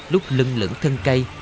lúc lưng lửng thân cây